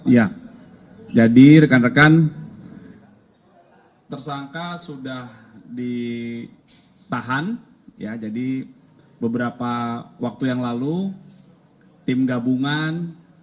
ya jadi rekan rekan tersangka sudah ditahan ya jadi beberapa waktu yang lalu tim gabungan